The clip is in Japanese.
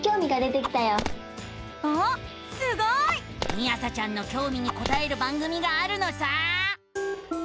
みあさちゃんのきょうみにこたえる番組があるのさ！